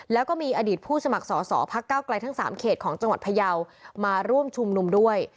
แล้วก็มีอดีตผู้สมัครสอสอพักเก้าไกลทั้ง๓เขตของจังหวัดพยาวมาร่วมชุมนุมด้วย